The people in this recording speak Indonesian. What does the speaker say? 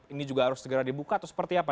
ini juga harus segera dibuka atau seperti apa